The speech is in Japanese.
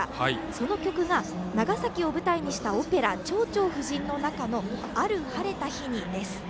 その曲が長崎を舞台にしたオペラ「蝶々婦人」の中の「ある晴れた日に」です。